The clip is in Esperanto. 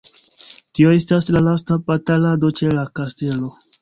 Tio estas la lasta batalado ĉe la kastelo.